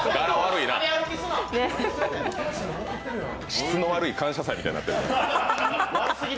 質の悪い「感謝祭」みたいになってる。